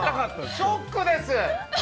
ショックです。